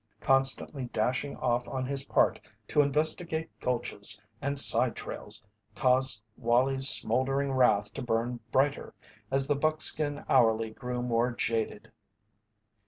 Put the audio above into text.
Constantly dashing off on his part to investigate gulches and side trails caused Wallie's smouldering wrath to burn brighter, as the buckskin hourly grew more jaded.